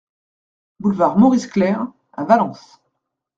Boulevard Maurice Clerc à Valence